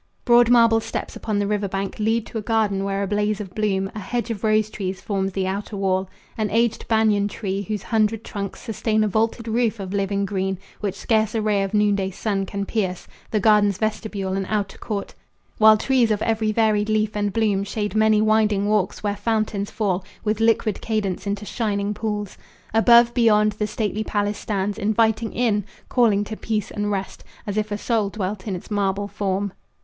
Broad marble steps upon the river bank Lead to a garden where a blaze of bloom, A hedge of rose trees, forms the outer wall; An aged banyan tree, whose hundred trunks Sustain a vaulted roof of living green Which scarce a ray of noonday's sun can pierce, The garden's vestibule and outer court; While trees of every varied leaf and bloom Shade many winding walks, where fountains fall With liquid cadence into shining pools. Above, beyond, the stately palace stands, Inviting in, calling to peace and rest, As if a soul dwelt in its marble form.